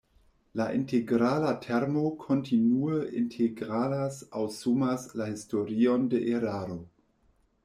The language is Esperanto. La integrala termo kontinue integralas aŭ sumas la historion de eraro.